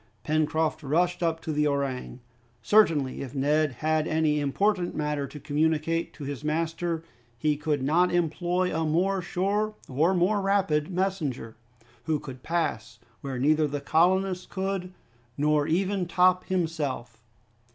Pencroft rushed up to the orang. Certainly if Neb had any important matter to communicate to his master he could not employ a more sure or more rapid messenger, who could pass where neither the colonists could, nor even Top himself.